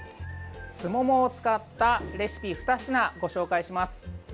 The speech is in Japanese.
すももを使ったレシピを２品ご紹介します。